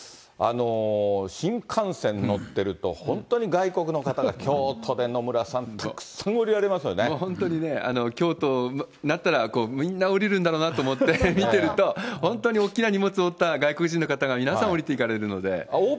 新幹線乗ってると、本当に外国の方が京都で野村さん、本当にね、京都になったら、みんな降りるんだろうなと思って見てると、本当に大きな荷物持った外国人の方が皆さん降りていかれるので。